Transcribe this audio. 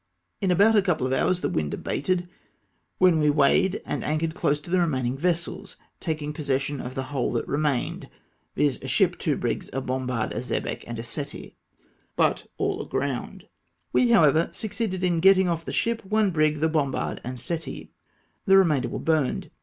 In about a couple of hom's the wind abated, when we weighed and anchored close to the remaining vessels, taking possession of the whole that remained, viz. a ship, two brigs, a bombard, a xebec, and a settee, but all aground. We, however, succeeded in getting off the ship, one brig, the bombard, and settee. The re mainder were burned.